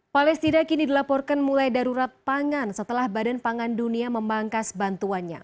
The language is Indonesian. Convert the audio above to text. palestina kini dilaporkan mulai darurat pangan setelah badan pangan dunia memangkas bantuannya